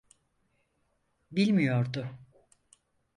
Bilmiyordu.